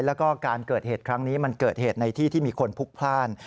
แล้วก็การเกิดเหตุครั้งนี้มันเกิดเหตุในที่ที่มีคนพลุกพลาด